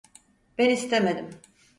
Ben istemedim.